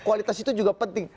kualitas itu juga penting